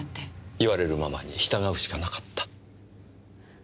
言われるままに従うしかなかった？